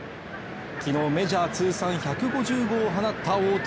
昨日メジャー通算１５５号を放った大谷